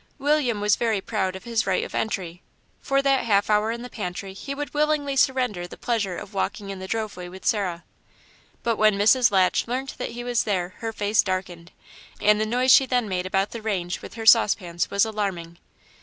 William was very proud of his right of entry. For that half hour in the pantry he would willingly surrender the pleasure of walking in the drove way with Sarah. But when Mrs. Latch learnt that he was there her face darkened, and the noise she then made about the range with her saucepans was alarming.